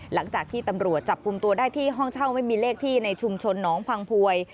หลังจากที่ตำรวจจับกลุ่มตัวได้ที่ห้องเช่าไม่มีเลขที่ในชุมชนหนองพังพวย